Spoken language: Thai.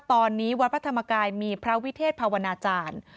ตอนนี้วัดพระธรรมกายมีพระวิเทศภาวนาจารย์